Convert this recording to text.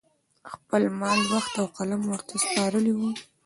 خپل مال، وخت او قلم ورته سپارلي وو